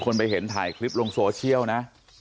จะถ่ายคลิปโลงโซเชียลนะ